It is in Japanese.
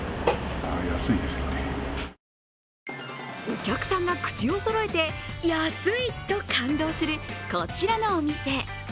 お客さんが口をそろえて安いと感動するこちらのお店。